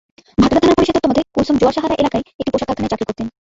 ভাটারা থানার পুলিশের তথ্যমতে, কুলসুম জোয়ারসাহারা এলাকায় একটি পোশাক কারখানায় চাকরি করতেন।